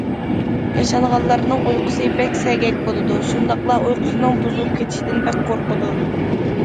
ياشانغانلارنىڭ ئۇيقۇسى بەك سەگەك بولىدۇ، شۇنداقلا ئۇيقۇسىنىڭ بۇزۇلۇپ كېتىشىدىن بەك قورقىدۇ.